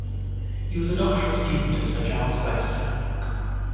He was a doctoral student of Sir Charles Webster.